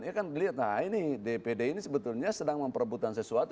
ya kan dilihat nah ini dpd ini sebetulnya sedang memperebutan sesuatu